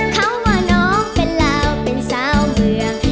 เขาว่าน้องเป็นลาวเป็นสาวเมือง